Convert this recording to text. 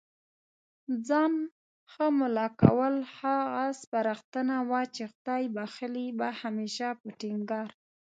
ځان ښه مُلا کول، هغه سپارښتنه وه چي خدای بخښلي به هميشه په ټينګار